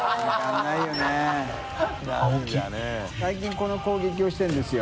この攻撃をしてるんですよ。